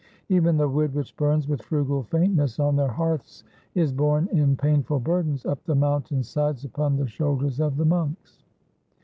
Even the wood, which burns with frugal faintness on their hearths, is borne, in painful burdens, up the mountain sides upon the shoulders of the monks.